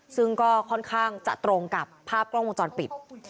ซึ่งก็ค่อนข้างจะตรงกับภาพกล้องวงจรปิด